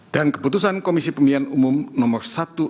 dan keputusan komisi pemilihan umum nomor seribu enam ratus empat puluh empat